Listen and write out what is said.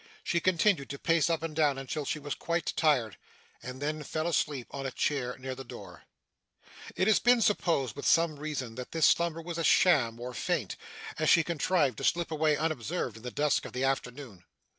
She continued to pace up and down until she was quite tired, and then fell asleep on a chair near the door. It has been since supposed, with some reason, that this slumber was a sham or feint, as she contrived to slip away unobserved in the dusk of the afternoon.